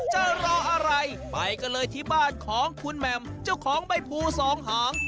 จะรออะไรไปกันเลยที่บ้านของคุณแหม่มเจ้าของใบภูสองหาง